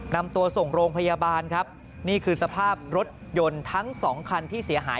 นำตัวส่งโรงพยาบาลครับนี่คือสภาพรถยนต์ทั้งสองคันที่เสียหาย